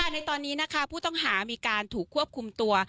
ในตอนนี้นะคะผู้ต้องหามีการถูกควบคุมตัว